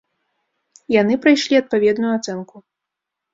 Яны прайшлі адпаведную ацэнку.